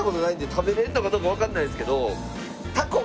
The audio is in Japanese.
食べられるのかどうかわからないんですけど。